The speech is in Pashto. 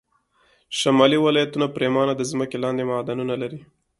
شمالي ولایتونه پرېمانه د ځمکې لاندې معدنونه لري